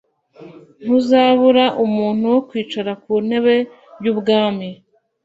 Ntuzabura umuntu wo kwicara ku ntebe y ubwami